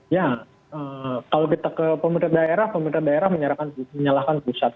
ya kalau kita ke pemerintah daerah pemerintah daerah menyalahkan pusat